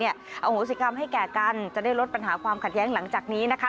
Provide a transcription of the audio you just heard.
เอาโหสิกรรมให้แก่กันจะได้ลดปัญหาความขัดแย้งหลังจากนี้นะคะ